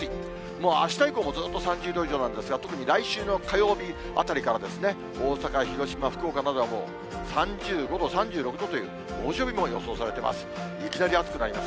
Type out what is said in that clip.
もうあした以降もずっと３０度以上なんですが、特に来週の火曜日あたりから、大阪、広島、福岡などは３５度、３６度という猛暑日も予想されています。